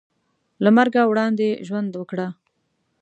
له مرګه وړاندې ژوند وکړه .